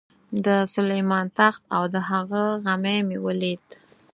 د سلیمان تخت او د هغه غمی مې ولید.